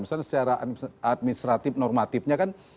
misalnya secara administratif normatifnya kan